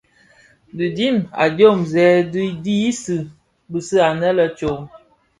Dhi dhim a dyomzèn dhi diyis bisig anne lè tsom.